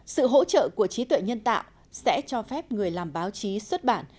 sự hỗ trợ của trí tuệ nhân tạo sẽ cho phép người làm báo chí xuất bản